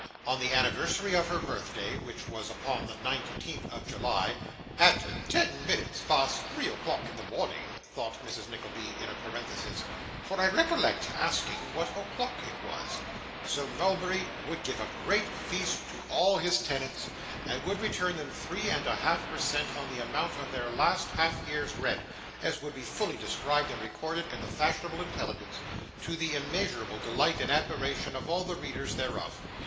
On the anniversary of her birthday, which was upon the nineteenth of July ['at ten minutes past three o'clock in the morning,' thought Mrs. Nickleby in a parenthesis, 'for I recollect asking what o'clock it was'), Sir Mulberry would give a great feast to all his tenants, and would return them three and a half per cent on the amount of their last half year's rent, as would be fully described and recorded in the fashionable intelligence, to the immeasurable delight and admiration of all the readers thereof.